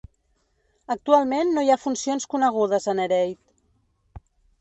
Actualment no hi ha funcions conegudes a Nereid.